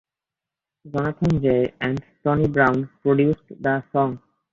Jonathan Jay and Tony Brown produced the song.